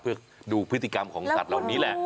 เพื่อดูพฤติกรรมของสัตว์เหล่านี้แหละ